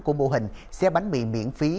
của mô hình xe bánh mì miễn phí